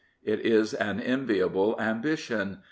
It is an enviable ambition.